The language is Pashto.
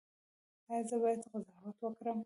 ایا زه باید قضاوت وکړم؟